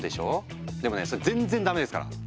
でもねそれぜんっぜんダメですから！